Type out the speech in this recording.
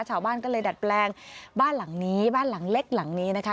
ชาวบ้านก็เลยดัดแปลงบ้านหลังนี้บ้านหลังเล็กหลังนี้นะคะ